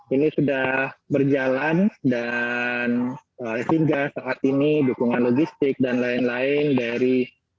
ini sudah berjalan dan sehingga saat ini dukungan logistik dan lain lain dari